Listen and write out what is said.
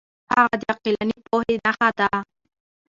هغه د عقلاني پوهې نښه ده.